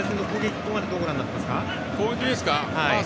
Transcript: ここまでどうご覧になっていますか。